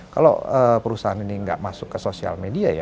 kalau perusahaan ini nggak masuk ke sosial media ya